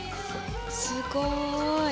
すごい。